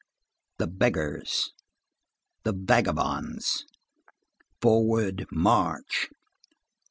The beggars. The vagabonds. Forward march.